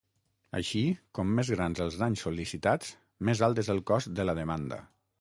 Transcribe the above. Així, com més grans els danys sol·licitats, més alt és el cost de la demanda.